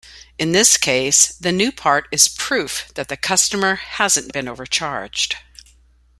In this case the new part is "proof" that the customer hasn't been overcharged.